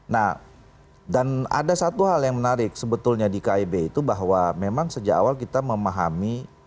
nah dan ada satu hal yang menarik sebetulnya di kib itu bahwa memang sejak awal kita memahami